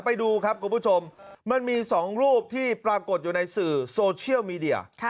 ไปดูครับคุณผู้ชมมันมี๒รูปที่ปรากฏอยู่ในสื่อโซเชียลมีเดีย